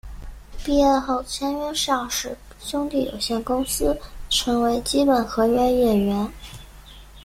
毕业后签约邵氏兄弟有限公司成为基本合约演员。